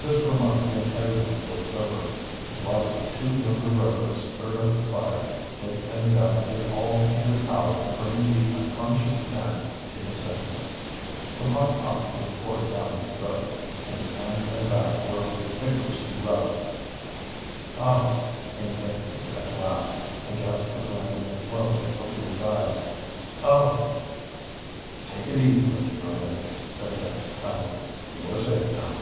This remark made everyone feel sober, and while the two younger Rovers stirred up the fire, Dick and the guide did all in their power to bring the unconscious man to his senses. Some hot coffee was poured down his throat, and his hands and back were vigorously rubbed. "Oh!" came faintly, at last, and Jasper Grinder slowly opened his eyes, "Oh!" "Take it easy, Mr. Grinder," said Dick kindly. "You are safe now."